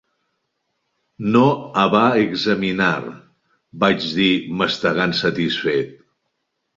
"No ha va examinar", vaig dir, mastegant satisfet.